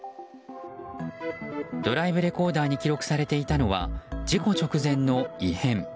ドライブレコーダーに記録されていたのは事故直前の異変。